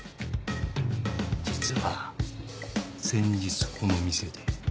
実は先日この店で。